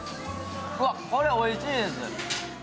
うわっ、これおいしいです。